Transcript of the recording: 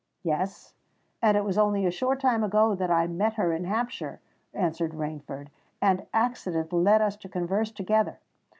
"Yes—and it was only a short time ago that I met her in Hampshire," answered Rainford; "and accident led us to converse together.